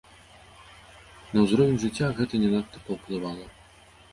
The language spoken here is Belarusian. На ўзровень жыцця гэта не надта паўплывала.